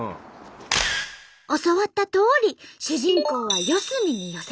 教わったとおり主人公は四隅に寄せた。